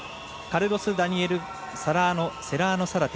カルロスダニエル・セラーノサラテ。